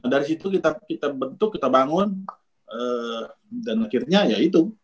dari situ kita bentuk kita bangun dan akhirnya ya itu